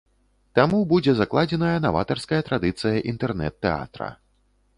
Таму будзе закладзеная наватарская традыцыя інтэрнэт-тэатра.